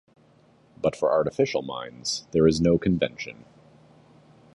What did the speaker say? But for artificial minds, there is no convention.